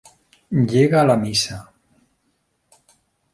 Llega la misa.